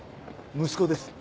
息子です。